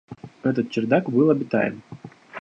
Этот чердак был обитаем.